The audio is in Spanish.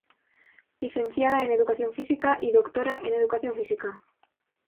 Licenciada en Educación Física y Doctora en Educación Física.